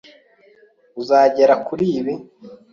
Uzagera kuri ibi.